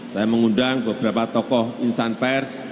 saya mengundang beberapa tokoh insan pers